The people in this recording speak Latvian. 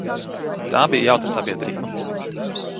Tā bija jautra sabiedrība.